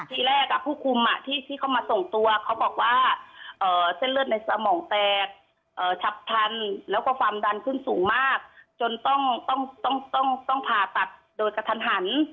ทีแรกผู้คุมที่เขามาส่งตัวเขาบอกว่าเส้นเลือดในสมองแตกชับทันแล้วก็ความดันขึ้นสูงมากจนต้องผ่าตัดโดยกระทันหัน